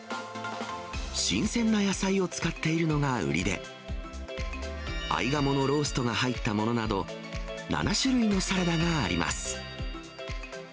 新鮮な野菜を使っているのが売りで、合鴨のローストが入ったものなど、７種類のサラダがあります。